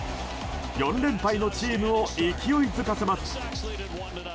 ４連敗のチームを勢いづかせます。